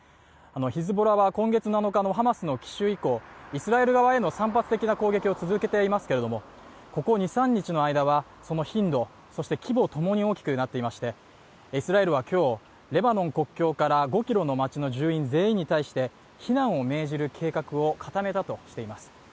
ヒズボラは、今月７日のハマスの奇襲以降、イスラエル側への散発的な攻撃を続けてますけどここ２３日の間は、その頻度、そして規模ともに大きくなっていましてイスラエルは今日、レバノン国境から５ｋｍの町の住民全員に対して避難を命じる計画を固めたとしています。